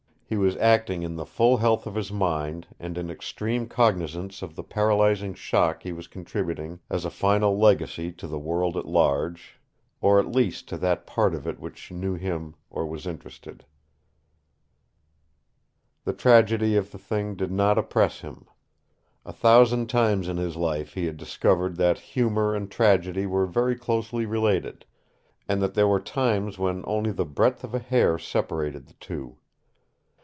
He was acting in the full health of his mind and in extreme cognizance of the paralyzing shock he was contributing as a final legacy to the world at large, or at least to that part of it which knew him or was interested. The tragedy of the thing did not oppress him. A thousand times in his life he had discovered that humor and tragedy were very closely related, and that there were times when only the breadth of a hair separated the two.